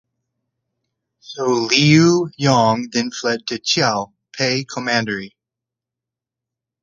So Liu Yong then fled to Qiao (Pei Commandery).